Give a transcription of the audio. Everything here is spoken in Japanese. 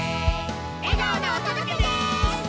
笑顔のおとどけです！